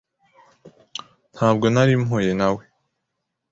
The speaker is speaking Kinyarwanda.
Ntabwo nari mpuye na we.